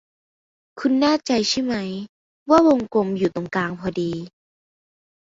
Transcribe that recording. คุณแน่ใจใช่ไหมว่าวงกลมอยู่ตรงกลางพอดี